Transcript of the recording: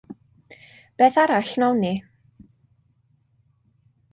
Beth arall wnawn ni?